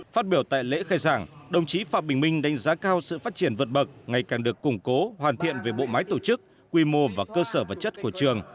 phát biểu tại lễ khai giảng đồng chí phạm bình minh đánh giá cao sự phát triển vượt bậc ngày càng được củng cố hoàn thiện về bộ máy tổ chức quy mô và cơ sở vật chất của trường